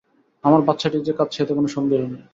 আমার বাচ্চাটিই যে কাঁদছে এতে কোনো সন্দেহ নেই।